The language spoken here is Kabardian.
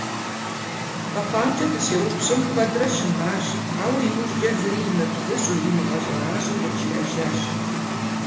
КъэхъуамкӀэ дыщеупщӀым, куэдрэ щымащ, ауэ иужькӀэ зыри имыбзыщӀу, имыгъэщӏэращӏэу къыджиӀэжащ.